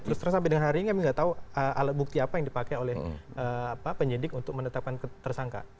terus terang sampai dengan hari ini kami nggak tahu alat bukti apa yang dipakai oleh penyidik untuk menetapkan tersangka